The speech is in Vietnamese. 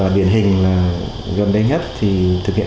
điển hình gần đây nhất thì thực hiện